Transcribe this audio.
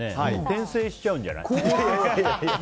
転生しちゃうんじゃない？